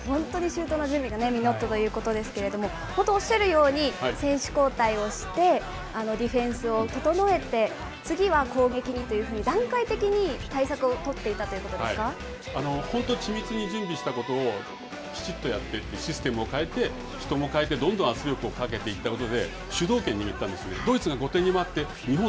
まさに、本当に周到な準備が実ったということですけれども、本当、おっしゃるように、選手交代をして、ディフェンスを整えて、次は攻撃にというふうに、段階的に対策を取っていたということで本当、緻密に準備したことをきちっとやって、システムをかえて、人もかえて、どんどん圧力をかけていったことで主導権を握ったんですね。